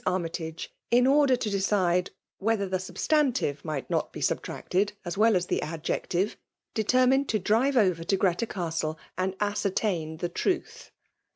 Armytage^ in order to decide whether the substantive might not be subtraeted as well aff the adjective, deter nuned to drive over to Greta Castle and ascertain the tmtb.